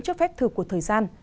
trước phép thừa của thời gian